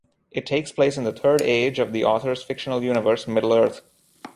It takes place in the Third Age of the author's fictional universe, Middle-earth.